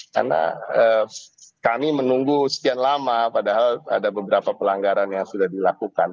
karena kami menunggu sekian lama padahal ada beberapa pelanggaran yang sudah dilakukan